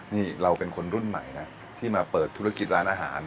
นี่เราเป็นคนรุ่นใหม่นะที่มาเปิดธุรกิจร้านอาหาร